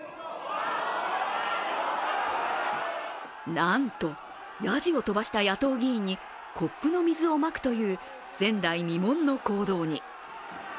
なんとやじを飛ばした野党議員にコップの水をまくという前代未聞の行動に。